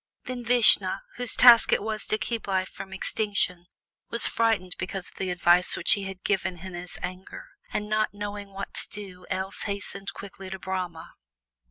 Then Vishnu, whose task it was to keep life from extinction, was frightened because of the advice which he had given in his anger, and not knowing what to do else hastened quickly to Brahma.